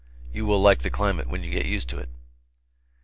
You will like the climate when you get used to it.